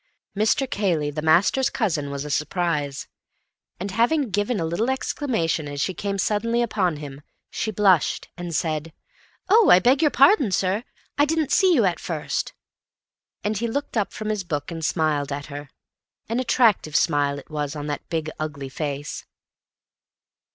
Mr. Cayley, the master's cousin, was a surprise; and, having given a little exclamation as she came suddenly upon him, she blushed, and said, "Oh, I beg your pardon, sir, I didn't see you at first," and he looked up from his book and smiled at her. An attractive smile it was on that big ugly face.